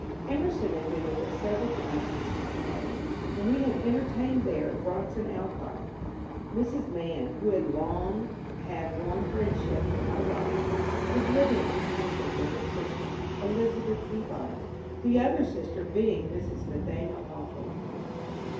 Emerson bad been with us several times in Cincinnati, and we bad entertained there Bronson Alcott. Mrs. Mann, who bad long bad warm friendship for my wife, was living in Concord with her sister, Elizabeth Peabody, the other sister being Mrs. Nathaniel Haw thorne.